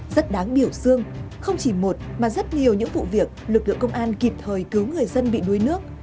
rất đáng biểu dương không chỉ một mà rất nhiều những vụ việc lực lượng công an kịp thời cứu người dân bị đuối nước